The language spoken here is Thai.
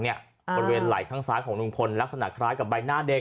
บริเวณไหล่ข้างซ้ายของลุงพลลักษณะคล้ายกับใบหน้าเด็ก